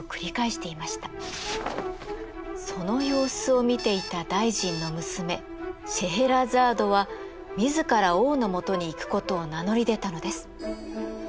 その様子を見ていた大臣の娘シェエラザードは自ら王のもとに行くことを名乗り出たのです。